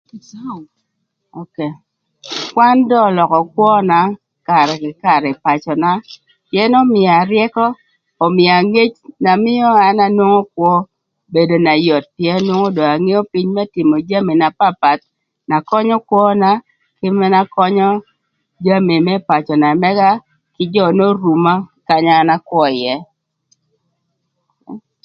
Kwan dong ölökö kwöna karë kï karë ï pacöna pïën ömïa ryëkö, ömïa ngec na mïö an anwongo kwö bedo na yot pïën nwongo dong angeo pïny më tïmö jami na papath na könyö kwöna kï mënë könyö jami më pacö na mëga kï jö n'oruma kanya an akwö ïë.